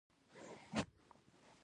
دا نوې بڼه د زړې هغې ځای نیسي.